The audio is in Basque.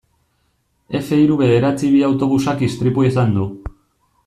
Efe hiru bederatzi bi autobusak istripua izan du.